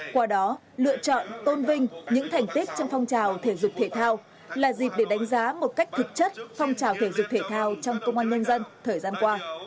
qua đó lựa chọn tôn vinh những thành tích trong phong trào thể dục thể thao là dịp để đánh giá một cách thực chất phong trào thể dục thể thao trong công an nhân dân thời gian qua